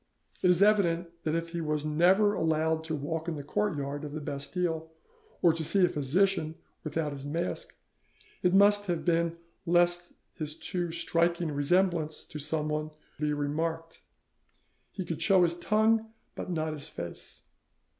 It is evident that if he was never allowed to walk in the courtyard of the Bastille or to see a physician without his mask, it must have been lest his too striking resemblance to someone should be remarked; he could show his tongue but not his face.